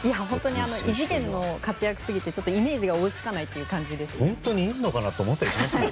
異次元の活躍すぎてイメージが追い付かないという感じです。